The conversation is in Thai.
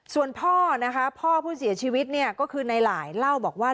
ส่วนพ่อนะคะพ่อผู้เสียชีวิตเนี่ยก็คือในหลายเล่าบอกว่า